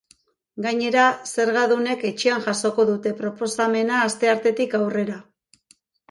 Gainera, zergadunek etxean jasoko dute proposamena asteartetik aurrera.